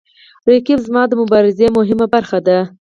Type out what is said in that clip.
رقیب زما د مبارزې مهمه برخه ده